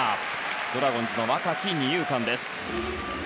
ドラゴンズの若き二遊間です。